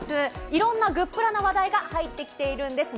いろんなグップラな話題が入ってきているんです。